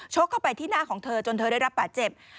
กเข้าไปที่หน้าของเธอจนเธอได้รับบาดเจ็บ